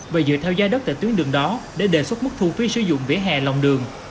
và dựa theo giá đất tại tuyến đường đó để đề xuất mức thu phí sử dụng vỉa hè lòng đường